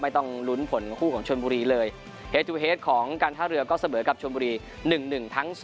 ไม่ต้องลุ้นผลของคู่ของชวนบุรีเลย